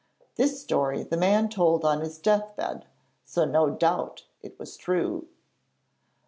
This story the man told on his death bed, so no doubt it was true.'